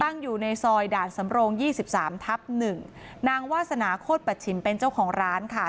ตั้งอยู่ในซอยด่านสำรง๒๓ทับ๑นางวาษณาโคตรประชิมเป็นเจ้าของร้านค่ะ